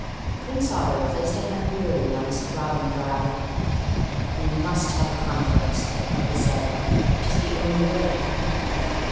Prince Otto placed a hand wearily on his throbbing brow. "We must have a conference," he said. "It is the only way."